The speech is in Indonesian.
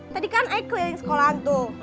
tadi kan saya keliling sekolah tuh